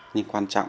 nhưng quan trọng